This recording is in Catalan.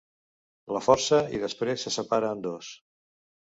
La força i després se separa en dos.